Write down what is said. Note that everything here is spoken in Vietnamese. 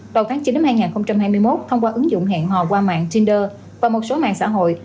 vào tháng chín năm hai nghìn hai mươi một thông qua ứng dụng hẹn hò qua mạng tinder và một số mạng xã hội